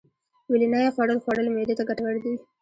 ویلنی خوړل خوړل معدې ته گټور دي.